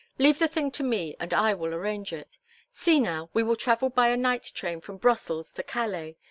Leave the thing to me and I will arrange it. See now, we will travel by a night train from Brussels to Calais.